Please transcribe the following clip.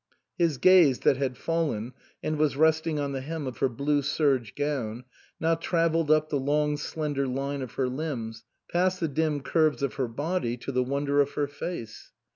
His gaze, that had fallen, and was resting on the hem of her blue serge gown, now travelled up the long, slender line of her limbs, past the dim curves of her body to the wonder of her face.